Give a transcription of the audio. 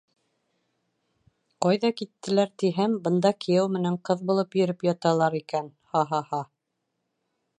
Ҡайҙа киттеләр тиһәм, бында кейәү менән ҡыҙ булып йөрөп яталар икән! һа-һа-һа!